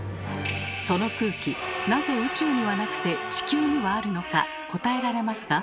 その空気なぜ宇宙にはなくて地球にはあるのか答えられますか？